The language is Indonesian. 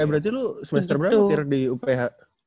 eh berarti lu semester berapa ketika di uph